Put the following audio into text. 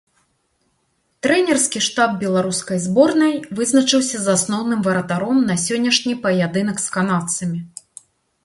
Трэнерскі штаб беларускай зборнай вызначыўся з асноўным варатаром на сённяшні паядынак з канадцамі.